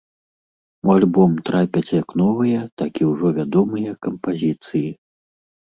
У альбом трапяць як новыя, так і ўжо вядомыя кампазіцыі.